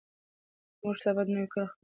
موږ سبا د نوي کال خپرونه ثبتوو.